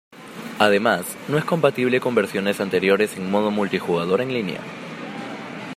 Además no es compatible con versiones anteriores en modo multijugador en línea.